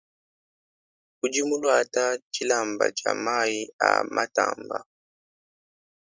Udi muluate tshilamba tshia mayi a matamba.